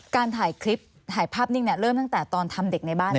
การถ่ายคลิปถ่ายภาพนิ่งเนี่ยเริ่มตั้งแต่ตอนทำเด็กในบ้าน